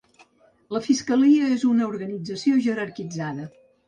La fiscalia és una organització jerarquitzada.